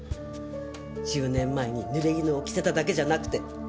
１０年前に濡れ衣を着せただけじゃなくて。